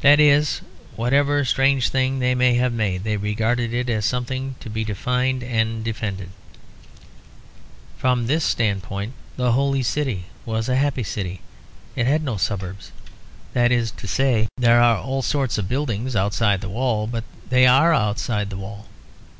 That is, whatever strange thing they may have made, they regarded it as something to be defined and to be defended. And from this standpoint the holy city was a happy city; it had no suburbs. That is to say, there are all sorts of buildings outside the wall; but they are outside the wall.